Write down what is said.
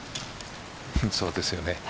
そうですよね。